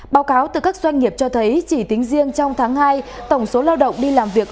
báo cáo từ các doanh nghiệp cho thấy chỉ tính riêng trong tháng hai tổng số lao động đi làm việc